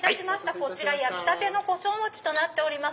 こちら焼きたての胡椒餅となっております。